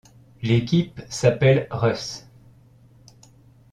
L'équipe s'appelle Russ.